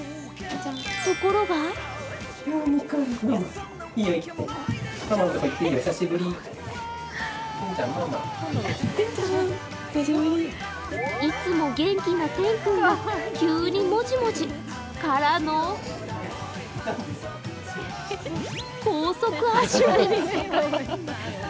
ところがいつも元気なてん君が急にもじもじ、からの高速足踏み。